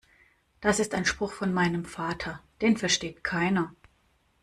Das ist ein Spruch von meinem Vater. Den versteht keiner.